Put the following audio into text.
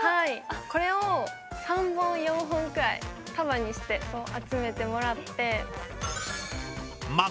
これを３本４本くらい束にして集めてもらって。